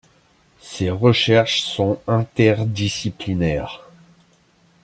Ses recherches sont interdisciplinaires.